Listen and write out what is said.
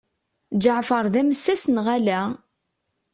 Ǧeɛfer d amessas neɣ ala?